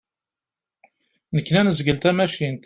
Nekni ad nezgel tamacint.